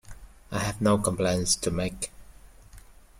I have no complaints to make.